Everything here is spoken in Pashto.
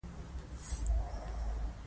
موټر به تېر شو او د باران اوبه به یې خورې کړې